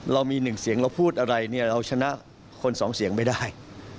เรามีหนึ่งเสียงเราพูดอะไรเนี่ยเราชนะคนสองเสียงไม่ได้